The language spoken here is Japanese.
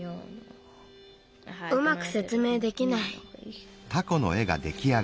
うまくせつめいできない。